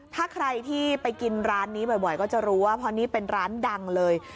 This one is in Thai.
ถ้าใครที่ไปกินร้านนี้บ่อยก็จะรู้ว่าเพราะนี่เป็นร้านดังเลย